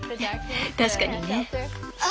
確かにね。